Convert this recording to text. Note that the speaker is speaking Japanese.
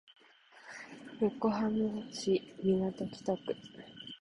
横浜市港北区